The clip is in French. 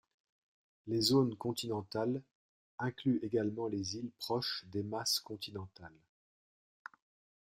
Les zones continentales incluent également les îles proches des masses continentales.